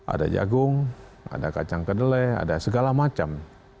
ada jagung ada kacang kedelai ada segala macam